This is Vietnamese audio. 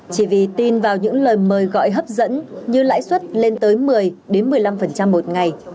chỉ vì tin vào những lời mời gọi hấp dẫn như lãi suất lên tới một mươi một mươi năm một ngày